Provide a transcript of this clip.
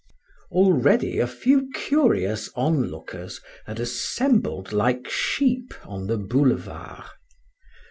Already a few curious onlookers had assembled like sheep on the boulevard.